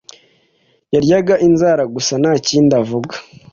yandyaga inzara gusa ntakindi avuga